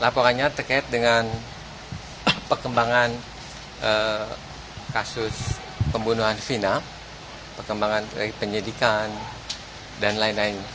laporannya terkait dengan perkembangan kasus pembunuhan vina perkembangan penyidikan dan lain lain